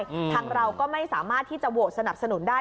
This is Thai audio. ทางเราก็ไม่สามารถที่จะโหวตสนับสนุนได้